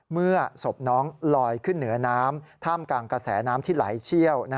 เมื่อศพน้องลอยขึ้นเหนือน้ำท่ามกลางกระแสน้ำที่ไหลเชี่ยว